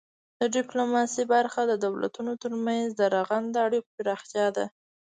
د ډیپلوماسي موخه د دولتونو ترمنځ د رغنده اړیکو پراختیا ده